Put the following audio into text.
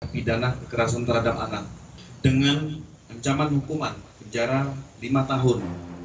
pidana kekerasan terhadap anak dengan ancaman hukuman penjara lima tahun